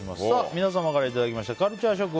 皆様からいただきましたカルチャーショック！？